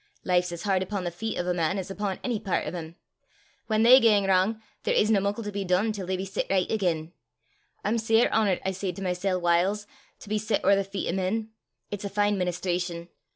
Life 's as hard upo' the feet o' a man as upo' ony pairt o' 'm! Whan they gang wrang, there isna muckle to be dune till they be set richt again. I'm sair honourt, I say to mysel' whiles, to be set ower the feet o' men. It's a fine ministration!